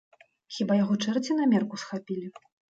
Хіба яго чэрці на мерку схапілі?